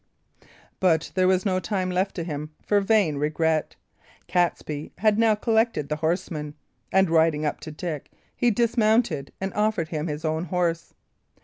But there was no time left to him for vain regret. Catesby had now collected the horsemen, and riding up to Dick he dismounted, and offered him his own horse.